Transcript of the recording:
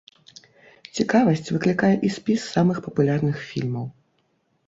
Цікавасць выклікае і спіс самых папулярных фільмаў.